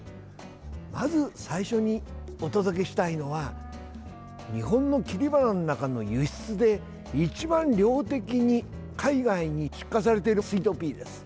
まず最初にお届けしたいのは日本の切り花の中の輸出で一番、量的に海外に出荷されているスイートピーです。